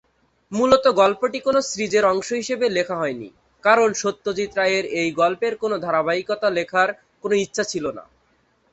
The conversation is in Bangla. মূলত গল্পটি কোন সিরিজের অংশ হিসাবে লেখা হয়নি, কারণ সত্যজিৎ রায়ের এই গল্পের কোনো ধারাবাহিকতা লেখার কোনও ইচ্ছা ছিল না।